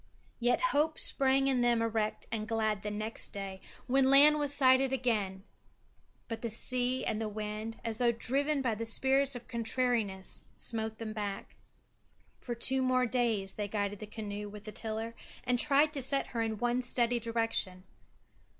Yet hope sprang in them erect and glad next day when land was sighted again; but the sea and the wind, as though driven by the spirits of contrariness, smote them back. For two more days they guided the canoe with the tiller and tried to set her in one steady direction.